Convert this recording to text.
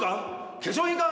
化粧品か？